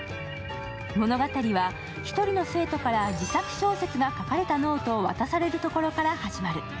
物語は１人の生徒から自作小説が書かれたノートを渡されるところから始まる。